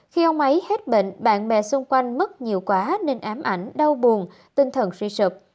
khi ăn máy hết bệnh bạn bè xung quanh mất nhiều quá nên ám ảnh đau buồn tinh thần suy sụp